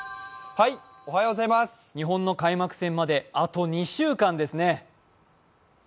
日本の開幕戦まであと２週間ですね。